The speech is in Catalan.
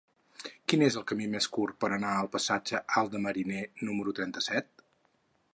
Quin és el camí més curt per anar al passatge Alt de Mariner número trenta-set?